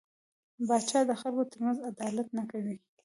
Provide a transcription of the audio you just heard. پاچا د خلکو ترمنځ عدالت نه کوي .